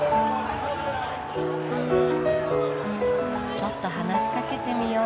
ちょっと話しかけてみよう。